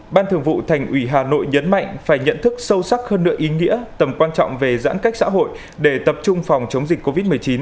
ban thường vụ thành ủy hà nội nhấn mạnh phải nhận thức sâu sắc hơn nữa ý nghĩa tầm quan trọng về giãn cách xã hội để tập trung phòng chống dịch covid một mươi chín